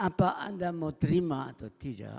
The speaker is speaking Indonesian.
apa anda mau terima atau tidak